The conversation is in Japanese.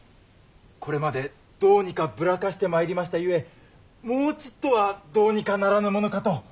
これまでどうにかぶらかしてまいりましたゆえもうちいっとはどうにかならぬものかと。